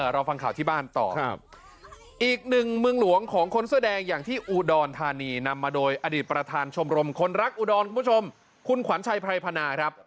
เราฟังข่าวที่บ้านต่ออีกหนึ่งเมืองหลวงของคนเสื้อแดงอย่างที่อุดรธานีนำมาโดยอดีตประธานชมรมคนรักอุดรคุณผู้ชมคุณขวัญชัยไพรพนาครับ